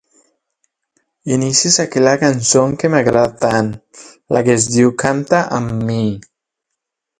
Inicies aquella cançó que m'agrada tant, la que es diu "Compta amb mi"?